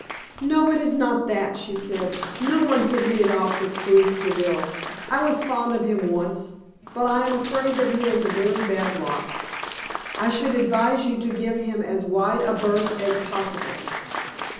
"No, it is not that," she said. "No one could hit it off with Bruce Deville. I was fond of him once; but I am afraid that he is a very bad lot. I should advise you to give him as wide a berth as possible.